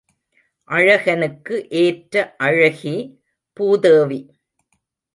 அழகனுக்கு ஏற்ற அழகி பூதேவி.